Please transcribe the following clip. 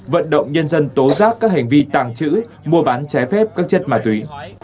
vận động nhân dân tố giác các hành vi tàng trữ mua bán trái phép các chất ma túy